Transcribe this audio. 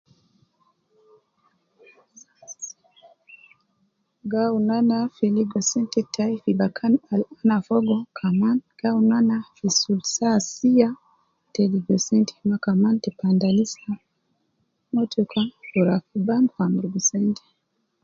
Ga awunu ana fi ligo sente tayi fi bakan al ana Fogo kaman gi awunu ana fi sul saa Siya te ligo sente ma kaman te panda motoka te ruwa mo fi bank fi amurugu sente.